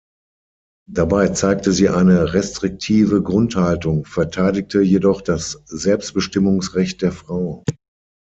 Dabei zeigte sie eine restriktive Grundhaltung, verteidigte jedoch das Selbstbestimmungsrecht der Frau.